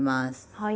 はい。